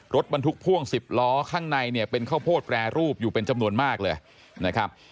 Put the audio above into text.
รถบรรทุกพ่วง๑๐ล้อข้างในเนี่ยเป็นข้าวโพดแปรรูปอยู่เป็นจำนวนมากเลยนะครับ